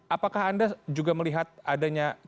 apakah anda juga melihat adanya